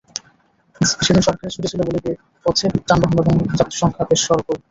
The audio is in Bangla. সেদিন সরকারি ছুটি ছিল বলে পথে যানবাহন এবং যাত্রীসংখ্যা বেশ স্বল্পই।